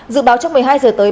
dự báo trong một mươi hai giờ tới